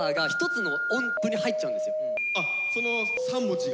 あその３文字が？